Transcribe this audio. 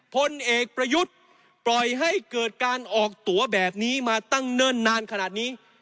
พลเอกประยุทธ์ปล่อยให้เกิดการออกตัวแบบนี้มาตั้งเนิ่นนานขนาดนี้